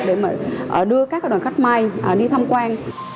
để đưa các đoàn khách mai đi thăm quan